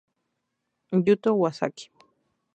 Yuto Iwasaki